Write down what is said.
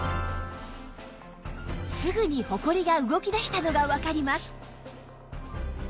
すぐにホコリが動き出したのがわかります